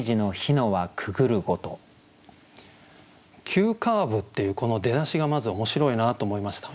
「急カーブ」っていうこの出だしがまず面白いなと思いました。